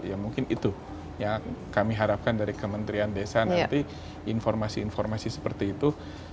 ya mungkin itu yang kami harapkan dari kementerian desa nanti informasi informasi seperti itu